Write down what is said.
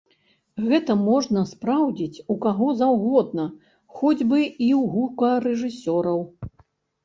Гэта можна спраўдзіць у каго заўгодна, хоць бы і ў гукарэжысёраў.